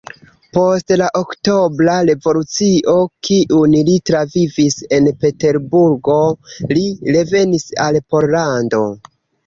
Post la Oktobra Revolucio, kiun li travivis en Peterburgo, li revenis al Pollando.